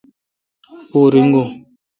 پو ریگو ۔